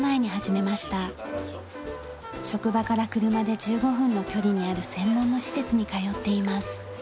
職場から車で１５分の距離にある専門の施設に通っています。